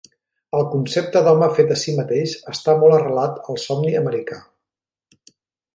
El concepte d'home fet a si mateix està molt arrelat al somni americà.